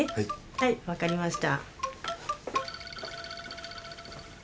はいわかりました。